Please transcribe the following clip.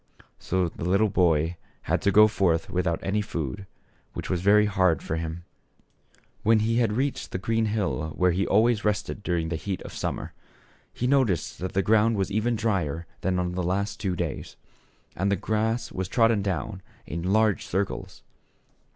So the little boy had to go forth without any food, which was very hard for him. When he had reached the green hill where he always rested during the heat of the sujnmer, he noticed 60 THE SHEPIIEBD BOY. that the ground was even drier than on the last two days, and the grass was trodden down in large circles.